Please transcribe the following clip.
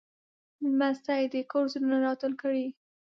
لمسی د کور زړونه راټول کړي.